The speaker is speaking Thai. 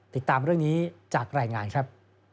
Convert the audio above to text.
ติดตามเรื่องนี้จากรายงานครับ